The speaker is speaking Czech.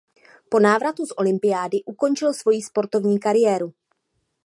Po návratu z olympiády ukončil svoji sportovní kariéru.